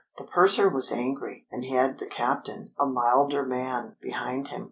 The purser was angry, and he had the captain, a milder man, behind him.